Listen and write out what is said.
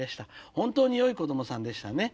本当によい子どもさんでしたね。